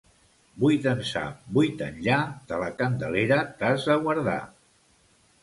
Vuit ençà, vuit enllà, de la Candelera t'has de guardar.